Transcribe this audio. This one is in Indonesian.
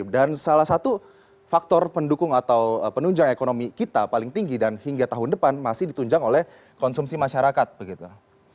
dan salah satu faktor pendukung atau penunjang ekonomi kita paling tinggi dan hingga tahun depan masih ditunjang oleh konsumsi masyarakat begitu